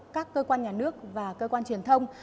các cơ quan nhà nước và cơ quan truyền thông